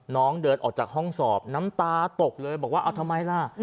น้องเดินออกจากห้องสอบน้ำตาตกเลยบอกว่าเอาทำไมล่ะ